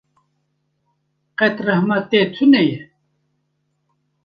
Qet rehma te tune ye.